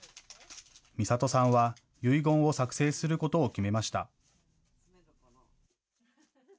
みさとさんは遺言を作成することを決めました。